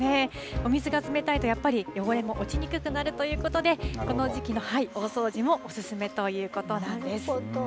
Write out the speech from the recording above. お水が冷たいと、やっぱり汚れも落ちにくくなるということで、この時期の大掃除もお勧めということなんです。